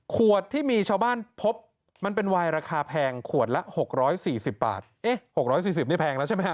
ขวดที่มีชาวบ้านพบมันเป็นวายราคาแพงขวดละ๖๔๐บาทเอ๊ะ๖๔๐นี่แพงแล้วใช่ไหมฮ